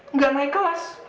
nggak naik kelas